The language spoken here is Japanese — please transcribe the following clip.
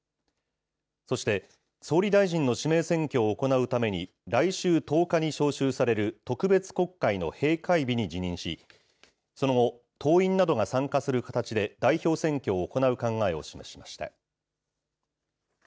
そして、総理大臣の指名選挙を行うために、来週１０日に召集される特別国会の閉会日に辞任し、その後、党員などが参加する形で、代表選挙を行う考えを示しました。